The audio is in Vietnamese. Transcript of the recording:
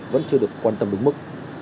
vẫn chưa được quan tâm đúng mức